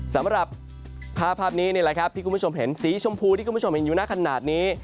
สำหรับภาพนี้นี่แหละครับที่คุณผู้ชมเห็นสีชมพูที่คุณผู้ชมเห็นอยู่หน้าขนาดนี้